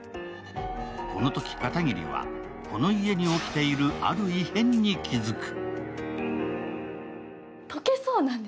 このとき片桐は、この家に起きているある異変に気付く。